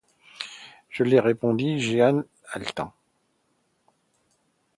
Je l’ai, répondit Jehan haletant.